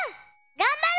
がんばる！